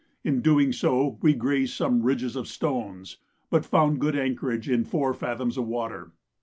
In doing so we grazed some ridges of stones, but found good anchorage in four fathoms water.